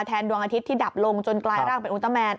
ดวงอาทิตย์ที่ดับลงจนกลายร่างเป็นอุตเตอร์แมน